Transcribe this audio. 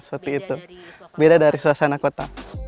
seperti itu beda dari suasana kota